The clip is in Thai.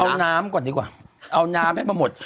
เอาน้ำก่อนดีกว่าเอาน้ำให้มาหมด